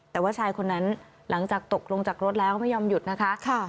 แต่ว่าชายคนนั้นหลังจากตกลงจากรถแล้วไม่ยอมหยุดนะคะ